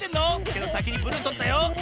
けどさきにブルーとったよ。